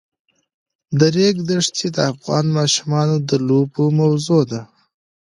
د ریګ دښتې د افغان ماشومانو د لوبو موضوع ده.